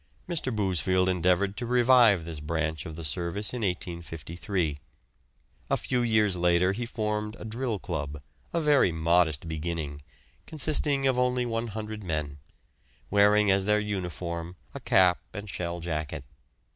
Mr. Bousfield endeavoured to revive this branch of the service in 1853. A few years later he formed a drill club, a very modest beginning, consisting of only 100 men, wearing as their uniform a cap and shell jacket.